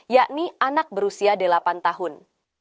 yakni anak berusia delapan tahun